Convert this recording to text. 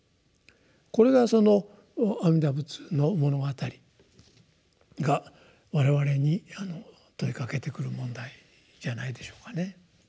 これがその「阿弥陀仏の物語」が我々に問いかけてくる問題じゃないでしょうかね。